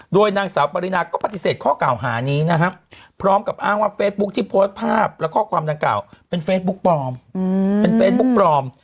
โดยนางสาวปริณาก็ปฏิเสธข้อเก่าหานี้นะครับพร้อมกับอ้างว่าเฟซบุ๊กที่โพสต์ภาพและข้อความจังเก่าเป็นเฟซบุ๊กปลอม